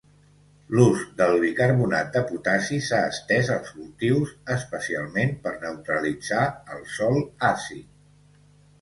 L'ús del bicarbonat de potassi s'ha estès als cultius, especialment per neutralitzar el sòl àcid.